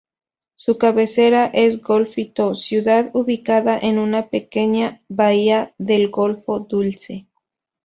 Su cabecera es Golfito, ciudad ubicada en una pequeña bahía del Golfo Dulce.